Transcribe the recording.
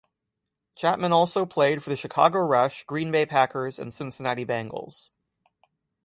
Chatman also played for the Chicago Rush, Green Bay Packers and Cincinnati Bengals.